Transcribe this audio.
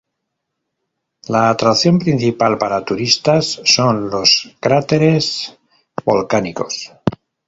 La atracción principal para turistas son los cráteres volcánicos.